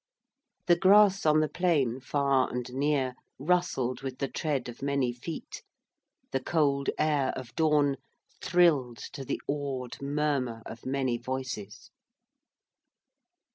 The grass on the plain far and near rustled with the tread of many feet; the cold air of dawn thrilled to the awed murmured of many voices.